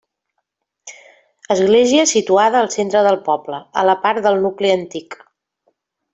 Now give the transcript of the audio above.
Església situada al centre del poble, a la part del nucli antic.